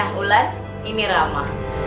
nah ulan ini rama